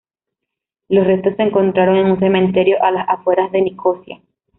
Los restos se encontraron en un cementerio a las afueras de Nicosia.